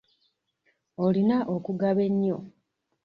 Olina okugaba ennyo.